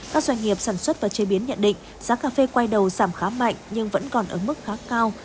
các doanh nghiệp sản xuất và chế biến nhận định giá cà phê quay đầu giảm khá mạnh nhưng vẫn còn ở mức khá cao